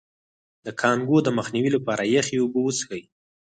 د کانګو د مخنیوي لپاره یخې اوبه وڅښئ